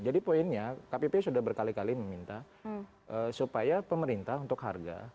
jadi poinnya kppu sudah berkali kali meminta supaya pemerintah untuk harga